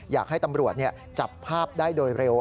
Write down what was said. อยากให้ตำรวจจับภาพได้โดยเร็ว